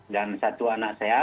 dan satu anak saya